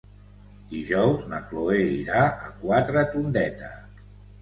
Dijous na Chloé irà a Quatretondeta.